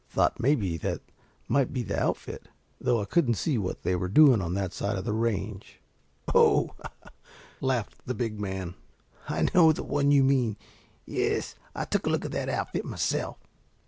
"Thought mebby that might be the outfit, though I couldn't see what they were doing on that side of the range." "Oh," laughed the big man, "I know the one you mean. Yes, I took a look at that outfit myself."